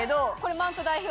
マウント代表？